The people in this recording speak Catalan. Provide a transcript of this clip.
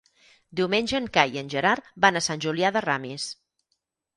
Diumenge en Cai i en Gerard van a Sant Julià de Ramis.